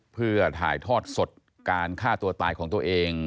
เพื่อถ่ายทอดสดการฆ่าตัวตายของตัวเอง